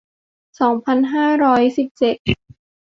สองพันห้าร้อยห้าสิบเจ็ด